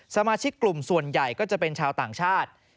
สมาชิกกลุ่มส่วนใหญ่ก็จะเป็นชาวต่างชาติ